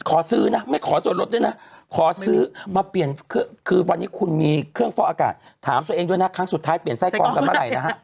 ขอซื้อนะไม่ขอส่วนลดด้วยนะขอซื้อมาเปลี่ยนคือวันนี้คุณมีเครื่องฟอกอากาศถามตัวเองด้วยนะครั้งสุดท้ายเปลี่ยนไส้กองกันเมื่อไหร่นะฮะ